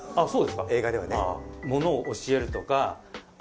映画ではね。